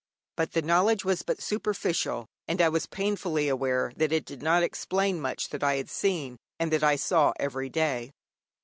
But the knowledge was but superficial, and I was painfully aware that it did not explain much that I had seen and that I saw every day.